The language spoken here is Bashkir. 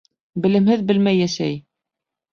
Белемһеҙ белмәй йәшәй.